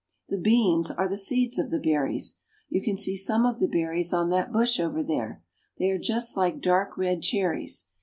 The beans are the seeds of the berries. You can see some of the berries on that bush over there. They are just like dark red cherries.